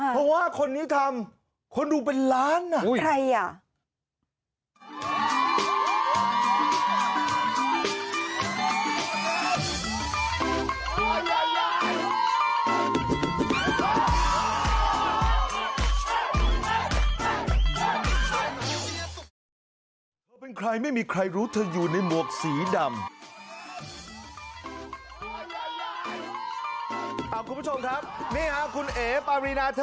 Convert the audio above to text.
เพราะว่าคนนี้ทำคนดูเป็นล้านน่ะ